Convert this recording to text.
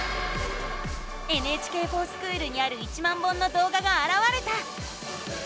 「ＮＨＫｆｏｒＳｃｈｏｏｌ」にある１万本のどうががあらわれた！